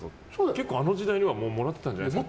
結構、あの時代にはもうもらってたんじゃないですか？